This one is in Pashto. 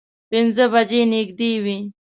پینځه بجې نږدې وې.